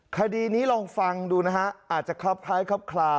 คดีนี้ลองฟังดูนะฮะอาจจะคลับคล้ายครับคลา